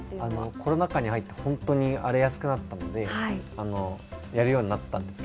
コロナ禍に入って荒れやすくなったので、やるようになりました。